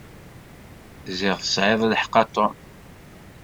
Ziɣ tesεiḍ lḥeqq a Tom.